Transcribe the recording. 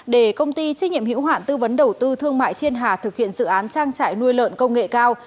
để công ty trách nhiệm hiểu hoạn tư vấn đầu tư thương mại thiên hạ thực hiện dự án trang trải nuôi lợn công nghệ cao